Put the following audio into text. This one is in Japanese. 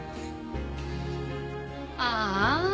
ああ。